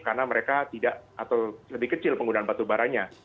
karena mereka tidak atau lebih kecil penggunaan batubaranya